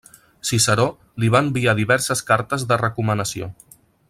Ciceró li va enviar diverses cartes de recomanació.